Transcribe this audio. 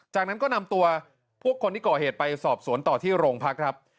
จากนั้นก็นำตัวพวกคนที่ก่อเหตุไปสอบสวนต่อที่โรงพักครับ